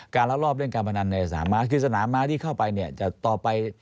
รักรอบเล่นการพนันในสนามม้าคือสนามม้าที่เข้าไปเนี่ยจะต่อไป